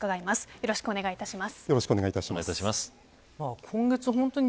よろしくお願いします。